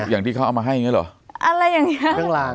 อย่างที่เค้าเอามาให้อย่างนี้หรอ